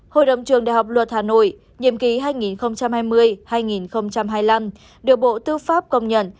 hội đồng trường đại học luật hà nội nhiệm ký hai nghìn hai mươi hai nghìn hai mươi năm được bộ tư pháp công nhận